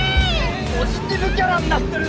ポジティブキャラになってる。